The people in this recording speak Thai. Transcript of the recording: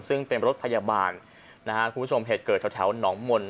ซึ่งเป็นรถพยาบาลนะฮะคุณผู้ชมเหตุเกิดแถวหนองมนต